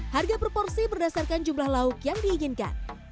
harga per porsi berdasarkan jumlah lauk yang diinginkan